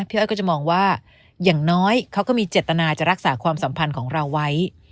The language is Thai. อ้อยก็จะมองว่าอย่างน้อยเขาก็มีเจตนาจะรักษาความสัมพันธ์ของเราไว้